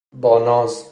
با ناز